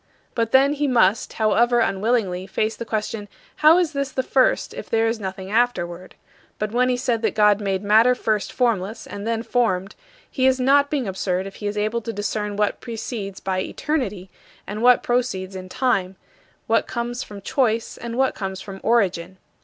But then he must, however unwillingly, face the question, How is this the first if there is nothing afterward? But when he said that God made matter first formless and then formed, he is not being absurd if he is able to discern what precedes by eternity, and what proceeds in time; what comes from choice, and what comes from origin.